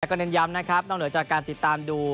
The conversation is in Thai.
และกำเนินย้ำนะครับนอกเหนือก่านติดตามดู